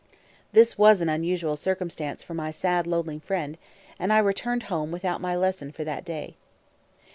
This was an unusual circumstance for my sad, lonely friend, and I returned home without my lesson for that day.